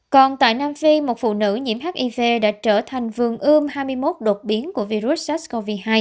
còn tại nam phi một phụ nữ nhiễm hiv đã trở thành vườn ươm hai mươi một đột biến của virus sars cov hai